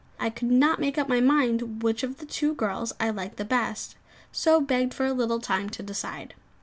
I could not make up my mind which of the two girls I liked the best, so begged for a little time to decide.